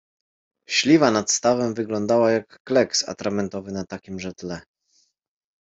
Śliwa nad stawem wyglądała jak kleks atramentowy na takimże tle.